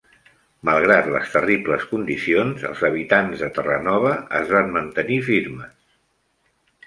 Malgrat les terribles condicions, els habitants de Terranova es van mantenir firmes.